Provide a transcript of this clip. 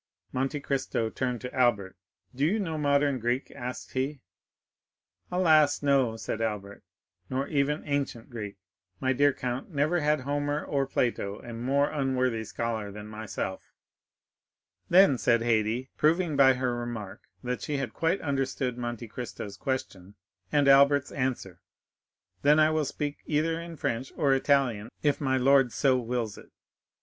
Monte Cristo turned to Albert. "Do you know modern Greek," asked he. "Alas! no," said Albert; "nor even ancient Greek, my dear count; never had Homer or Plato a more unworthy scholar than myself." "Then," said Haydée, proving by her remark that she had quite understood Monte Cristo's question and Albert's answer, "then I will speak either in French or Italian, if my lord so wills it."